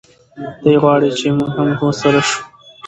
دی غواړي چې موږ هم ورسره شو.